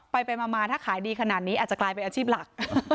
ไปมาถ้าขายดีขนาดนี้อาจจะกลายเป็นอาชีพหลัก